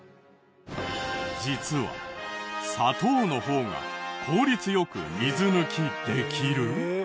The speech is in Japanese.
実は砂糖の方が効率良く水抜きできる！？